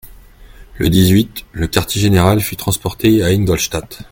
Le dix-huit, le quartier-général fut transporté à Ingolstadt.